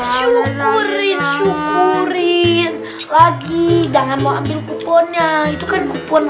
syukurin syukurin lagi jangan mau ambil kuponnya itu kan kupon